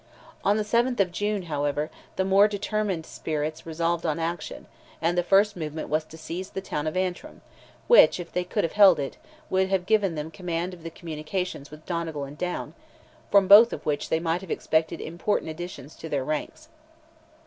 On the 7th of June, however, the more determined spirits resolved on action, and the first movement was to seize the town of Antrim, which, if they could have held it, would have given them command of the communications with Donegal and Down, from both of which they might have expected important additions to their ranks.